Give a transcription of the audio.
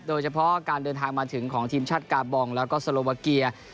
โดยเฉพาะการเดินทางมาถึงของทีมชาติกาบองแล้วก็สโลวาเกีย